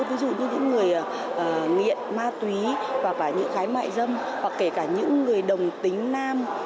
ví dụ như những người nghiện ma túy và những gái mại dâm hoặc kể cả những người đồng tính nam